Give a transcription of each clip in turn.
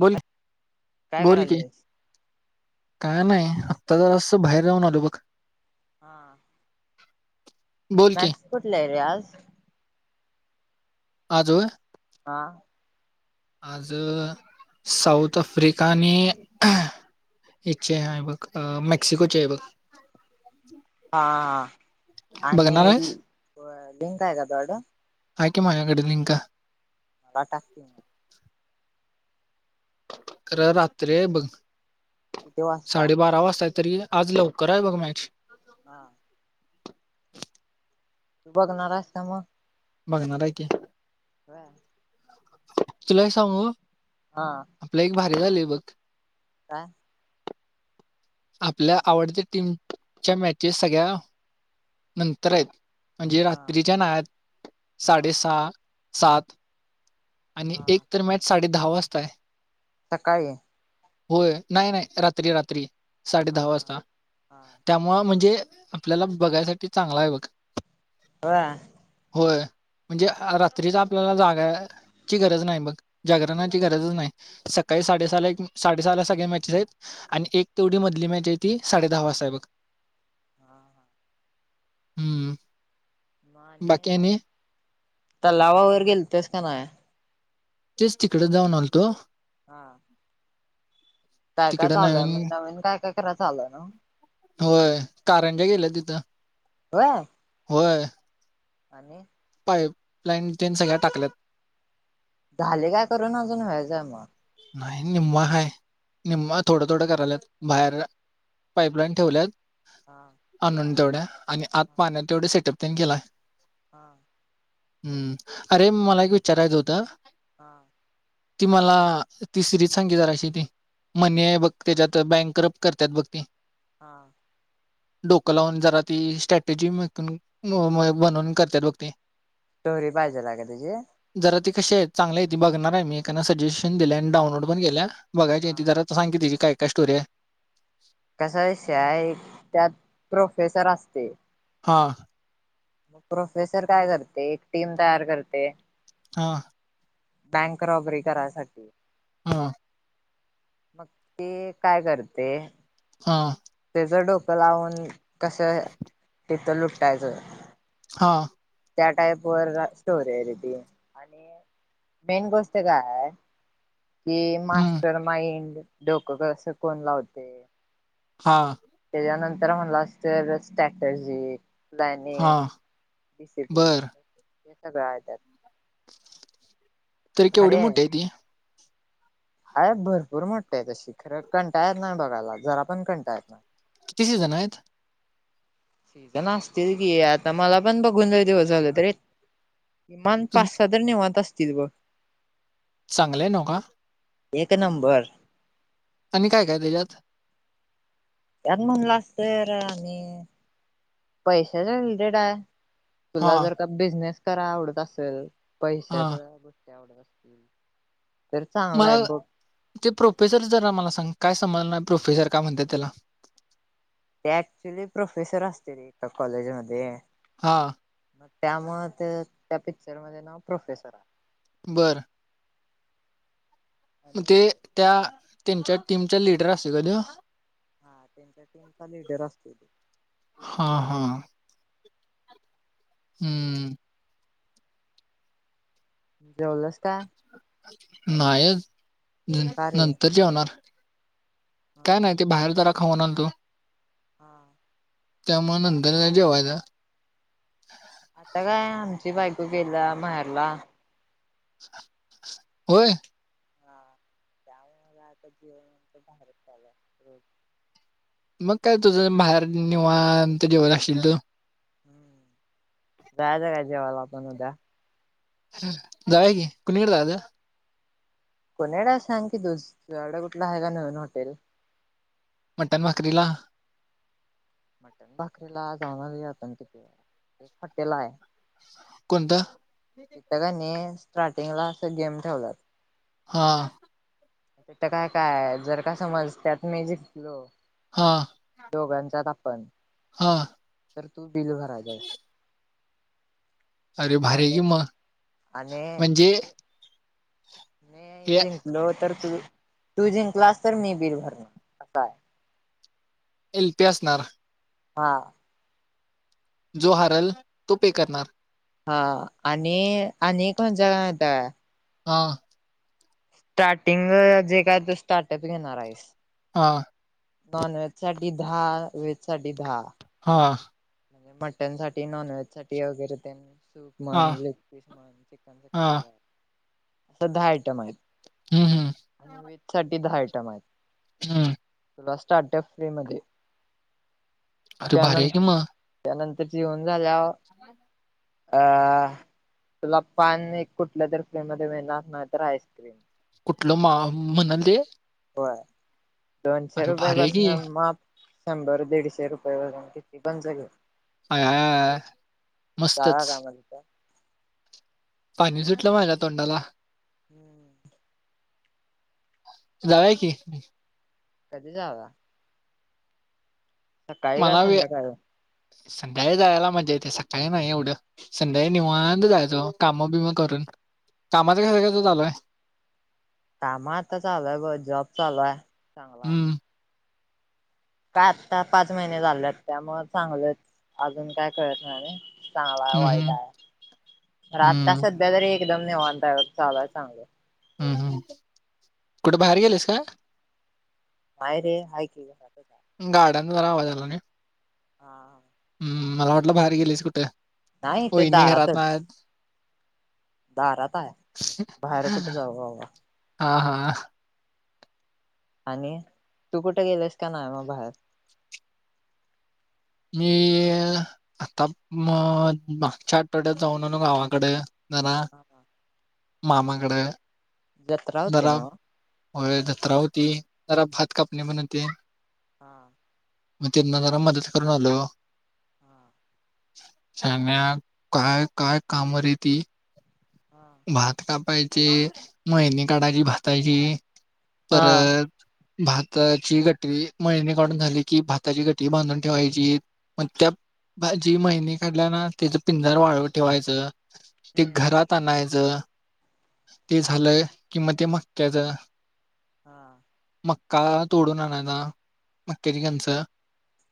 बोल काय बोल की करायलीस? काय नाही आत्ता जरास बाहेर जाऊन आलो बघ हा बोल की डान्स [unintelligible] कुठला आहे रे आज आज होय हा, आज साऊथ आफ्रिका आणि इचे हाय बघ,, अ मेक्सिकोचे आहे बघ,, हा हा,,, आणि बघणार आहेस लिंकय का तुझ्यकडं,, हाय की माझ्याकडं लिंक,, मला टाक,, खरं रात्र्रीय बघ,, किती वाजता? साडेबारा वाजता,,, तरी,, आज लवकर आहे बघ मॅच,, हा तू बघणार हायस का मग? बघणार आहे की. ह, तुलाही? सांगू हा नीगालुय बघ,, आा, आपल्या आवडत्या टीम,, च्या मॅचेस सगळ्या नंतर आहेत,, म्हणजे हा रात्रीच्या नायत,, हा साडे सहा, सात, आणि हा एक तर मॅच साडे दहा वाजताय,, सकाळी, होय,, नाही,, नाही रात्री, रात्री साडे हा दहा हा. वाजता,, हा त्यामुं म्हणजेऽऽ आपल्याला बघायसाठी चांगला आहे बघ. होय,, होय, म्हणजे रात्रीच आपल्याला जागायऽऽ ची गरज नाही मग,, जागरणाची गरजच नाही,, सकाळी साडेसहाला एक साडेसहाला सगळे मॅचेस आहेत. आणि एक तेवढी मधली मॅच आहे ती साडे दहा वाजताय बघ. हा, हा हम्म बाकी मा आणि तलावावरर गेल तेस का नाय? तेच तिकडे जाऊन आलतो. हा. काय काय तिकडे चालू नवीन,, आहे मग काय काय कराय चालू आहे नव्ह? होय,, कारांज केल्यात, तीथ हय, होय, आणि, पाईप लाईन टन सगळ्या टाकल्यात. झाले काय करून अजून व्हायचं मग? नाही,, निम्वा हाय,, निम्मा थोडं, थोडं करालात,, बाहेर पाईपलाईन ठेवल्यात. हा, आणून तेवढ्या,, आणि आत हा पाण्या तेवढ्या सेटअप केलाय. हा, हम्म, अरे मला एक विचारायचं होतं? हा, ती मलाऽऽ तिसरीच सांगी जरा शी ती,, म्हणणे बघ त्याच्यात बँकरप करतात बघ ती. हा, डोकं लावून जरा ती स्ट्रॅटेजीक बनवून करतात बघ ती,, स्टोरी पाहिजेल आय का तची, कसी आहेत चांगले ती,, बघणार आहे मी,, एकान सजेशन दिल्या आणि डाऊनलोड पण केल्या,, बघायचीय ती हा. जरा तर सांग की तिचीी काय, काय स्टोरी आय,,, कसा विषय एक त्यात प्रोफेसर असते. हा मग प्रोफेसर काय करते एक टीम तयार करते हा. बँक रॉबरी करायसाठी. हा. मग ते काय करते हा. ज डोकं लावून कसं तिथं लुटटायचं हां. त्या टाईप वर स्टोर आहे रेटिंग आणि मेन गोष्ट काय कि हम्म, मास्टर माइंड डोकं कसं कोण लावते. हा. त्याच्यानंतर म्हणलं असत स्ट्रॅटर्जी प्लनिंग हां डिसिप्लन हे सगळं आहे त्यात. तररी केवढी मोठी आहे ती. आहेय भरपूर मोठठी आहे तशी खरं कंटा येत ना बघायला जरा पण कंटा येत ना किती जण आहेत? शिजण असतील की आता मला पण बघून जाऊ दिवस झालं तरी एक किमान तू पाच सहा निवांत असतील बघ. चांगलंय नव का एक नंबर आणि काय काय त्याच्यात. त्यात म्हणलं असतर आणि पैशाच्या विषय काय तुला हां, जर का बिझनेस कराय आवडत असेल हां. पैशाचा तर मला चांगलाय बघ. ते प्रोफेसर जरा मला सांग काय समजणार प्रोफेसर काय म्हणते त्याला ते ऍक्च्युली प्रोफेसर असते रे एका कॉलेजमध्ये हा. ग त्यामुळे त्या पिक्चर मध्ये नाव प्रोफेसर आहे. बरं. मग आणि ते त्या त्यांच्या टीमच्या लिडर असते कन्य हा त्यांच्या टीमचा लिडर असतो तो. हा हा. हम्म. जेवलंस का नाही का रे? नंतर जेवणार. हा काय नाही ते बाहेर जरा खाऊन आलतो. हा. त्यामुळे नंदरला जेवायचा आता काय आमची बायको गेला महेरला. होय. हा त्यामुळेला आता जीवनच बारतचालं रोज मग काय तुझं बाहेर निवान तर जेवत असशील तू. हम्म जायच काय जेवायला पण उद्या जायचं की कुणीकडे जायचं कोनड सांग की तुुड कुठला आहे का नवीन हॉटेल. मटन भाकरीला मटन भाकरीला जाणार आपण किती एक हॉटेल आहे. कोणतं? ककांनी स्टार्टिंग ला अस गेम ठेवलात. हा. ते तर काय काय जर का समज त्यात मी जिंकलो हां, दोघांच्या आपण. हां. तर तू बिल भराय जास. अरे भारी कि म म्हणजे. नाही हे जिंकलो तर तू तू जिंकलास तर मी बील भरणार असा आहे. एल तेसणार. हा. जो हारल तो पे करणार. हा आणि आणि कोण जाता. हा. स्टार्टिंग जे काय ते स्टार्टअप घेणार आहेस. हा. नॉन वहेज सा दहा वेहेज सा दहा. हा म्हणजे मटन साठी नॉनव्हेज साठी वगैरे त्यांनी. सूप हा म्हन लेग पीस म्हन चिकन हा सिक्टी फाय असं दहा आयटम आहेत. हम्म हम्म आणि व्हेज साठी दहा आयटम आहेत. हा. तुला स्टार्टअप फ्री म. अरे भारी आहे किं म. त्यानंतर जेवन झाल्यावर अ तुला पान कुठल्या तरी फ्री मध्ये मिळणार नाही तर आईस्क्रीम. कुठलं मा म्हणालले. होय दोनशे भारी आहे की रुपयापासन माप शंभर दीडशे रुपये वून किती पंच घे. आय आय आय का मस्तच काम त का. पाणी सुटलं माझ्या तोंडाला. [unintelligible] जाउ की. कधी जाउया. स काळी का संध्याकाळ. संध्याळी जायला मजा येते सकाळी नाही एवढं संध्याळी निवांत जायचो काम बिम करून. कामाच क सगळच चालूय. कामा आता चालू आहे ब जॉब चालू आहे चांगला आहे. हम्म काय आत्ता पाच महिने झालेत त्या मग चांगलं अजून काय कळत नाही. चांगला आहे हम्म वाईट हम्म आहे आता हम्म सध्या तरी एकदम निवांता चालय चांगलं. हम्म हम् कुठे बाहेर आणि गेलेस का? नाही रे हायकि. गाड्यांचा जरा आवाज आला नाही हा हम्म मला वाटलं बाहेर गेलीस कुठे नाही इथे वहीणी घरात दारातच आहेत. दारात आहे बाहेर कुठे जावंव. हा हा. आणि तू कुठे गेलेस का नाही मग बाहेर. मी आता म मागच्या आठवड्यात जाऊन ना गावाकडे. जरा ह ह. मामाकडे. जत्रा होती ना व व्हय जत्रा होती जरा भात कापनी पण होती. हा. मग त्यांना जरा मदत करून आलो.. हा. शाण्या काय काय काम रे ती. भात कापायचे मळणी काढायची भाताची परत भाताची घटीळी मळणी काढून झाली की भाताची गटी बांधून ठेवायचीत. मग त्या भाजी मळणी काढल्या ना त्याच पिंजार वाळवत ठेवायचं. ते हम्म घरात आणाय च ते झालं की म ते मक्याच हा. मक्का तोडून आणायचा मक्याची कणस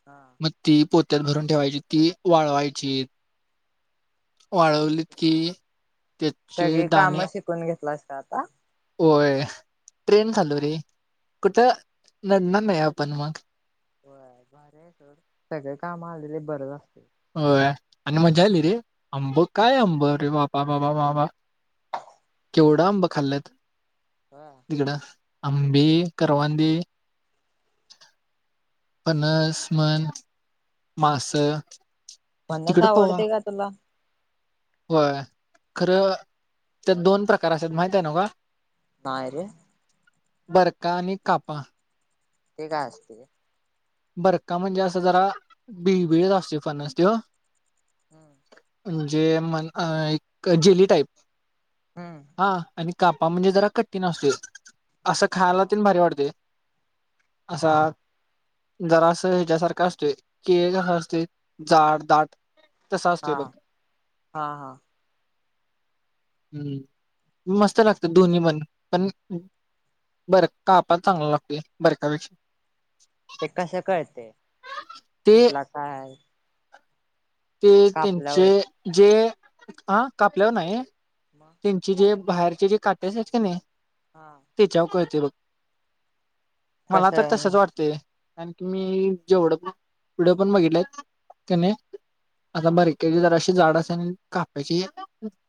हा मग ती पो त्यात भरून ठेवायची ती वाळवायची म्हणजे वाळवलीत की त्या सगळी काम शिकून घेतलास काय आता? होय ट्रेन झालो रे कुठं नडणार नाही आपण मग. होय भारी हाय सोड सगळ काम आलेल बरच असतय. होय आणि मजा आली रे आंब काय अंब रे बाबा बाबा बाबा. केवढ हा आंब खाल्लत होय. तिकडं. आंबी करवंदी. पणस मन मास. फणस आवडतय का तुला? होय खरं त्या दोन प्रकार असत्यात माहित हाय नव का. नाइरे. बरका आणि कापा. ते काय असतय? बरका म्हणजे असं जरा बिबिळत असतोय फरनस त्यो हम्म. म्हणजे म अ एक जेली टाईप. हम्म. हा आणि कापा म्हणजे जरा कठीण असतोय असं हा खायला तेण भारी वाटतोय. असा हा जरासं हेच्यासारखं असतय केळ कसं असतय जाड दाट तसा हा असतोय बघ हा हा. हम्म मस्त लागतय दोन्ही पण पण बर कापा चांगला लागतोय बरका पेक्षा. ते कसं कळतय ते कुठला काय हाय? ते त्यांचे जे आ कापल्यावर नाही मग त्यांचे जे बाहेरचे जे काटे असत्यात कने हा तेच्यावर कळते बघ. मला तर कसं तसच वाटतय. कारंकी मी जेवढं पण पुढं पण बघितलंय कने आता हा बरक्याची जराशी जाड असत्या णि काप्याची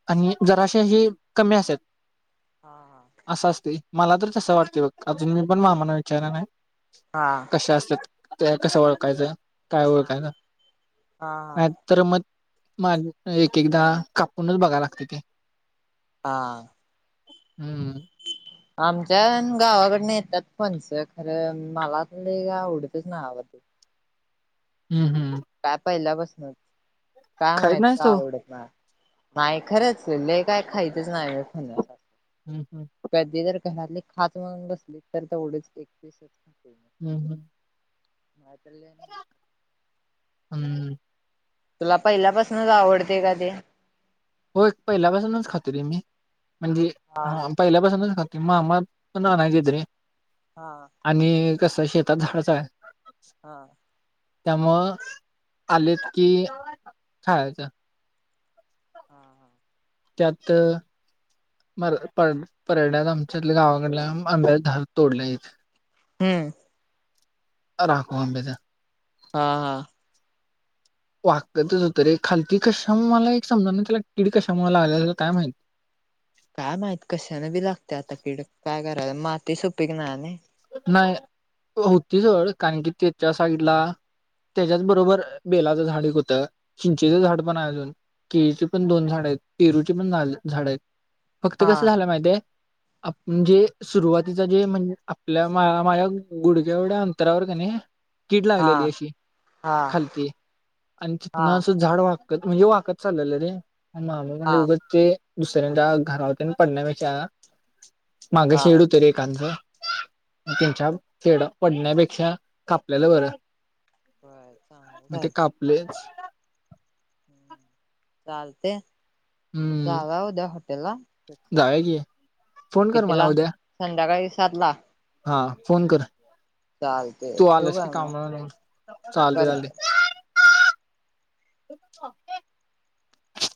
आणि जराशी अशी कमी असत्यात हा असं असतय. मला तर तसं वाटतय बघ अजून मी पण मामाना विचारलं नाही हा हा कशा असत ते कसं ओळखायचं काय हा ओळखायचं हा नाय तर मग माग एक एकदा कापूनच बघायला लागतय ते. हा. हम्म. आमच्या गावाकडन येत्यात फणसं खरं मला तरी आवडतच नाई आबा. [unintelligible] हम्म हम्म काय पहिल्या बसनच काय खायत माहित नाहीस का तू आवडत नाय. नाही खरंच ल काय खायचंच नाही खण हम्म हम्म घरले खाच मगून बसली तर तेवढेच एक पस ख हम्म हम्म मातल्या ना हम् तुला पहिल्यापासूनच आवडते का ते हो एक पहिल्यापासूनच खाते रे मी म्हणजे हा ह पहिल्यापासूनच खाते कि मामा पण आण गेत रे हा आणि कस शेतात झाडच आहे हा हा त्यामुळ आलेत कि खाळायचं हा हा त्यात म पर परण्यात आमच्यात गावाकडल्या अं्या ार तोडलंयथ हम्म राकू अबद हा हा वागकतच होत रे खालती कशा मला एक समजा ना त्याला किड कशा मला लागले काय माहत काय माहित मााती सुपिकन नाही होती जड कारण की त्याच्या साईडला त्याच्याच बरोबर बेलाचं झाड होतं चिंचेचं झाड पण आहे अजून केळीची पण दोन झाड आहेत परूची पण झाड आहेत फक्त कसं हा झालं माहिित आहे आपजे सुरुवातीच जे म्हणजे आपल्या माझ्या गुडघ्या एवढ्या अंतरावर का नाही कीड हा लागलेली अशी हा खालती आणि तिथ न हा असं झाड वाग म्हणजे वाकत चाललं रे हा म्हणजे उगच ते दुसऱ्याच्या घरा होत पडण्यापेक्षा हा मागेशीेड होत रे एकांत तच्या खेड पडण्यापेक्षा कापलेलं बरं होय चांगलंच मग ते आहे कापलेच चालते मजा हम्म आला उद्या हॉटेलला जाऊया की फोन कर किती मला ला उद्या संध्याकाळी सात ला हा फोन कर तू ठेवू आलास की काय मग काम चालते चालते करते. [inaudible]